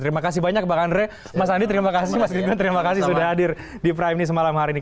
terima kasih banyak bang andre mas andi terima kasih mas ridwan terima kasih sudah hadir di prime news malam hari ini